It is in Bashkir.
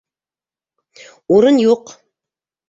Урын юҡ!